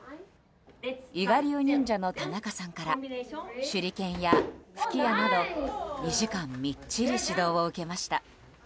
伊賀流忍者の田中さんから手裏剣や吹き矢など２時間みっちり指導を受けました。